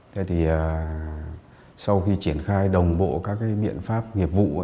thế thì sau khi triển khai đồng bộ các miệng pháp nghiệp vụ